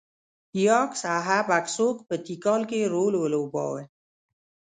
یاکس اهب اکسوک په تیکال کې رول ولوباوه.